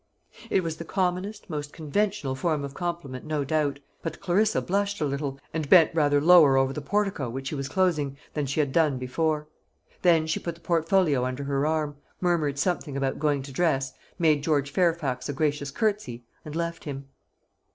It was the commonest, most conventional form of compliment, no doubt; but Clarissa blushed a little, and bent rather lower over the portfolio, which she was closing, than she had done before. Then she put the portfolio under her arm, murmured something about going to dress, made George Fairfax a gracious curtsey, and left him.